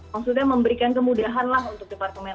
maksudnya memberikan kemudahan lah untuk departemen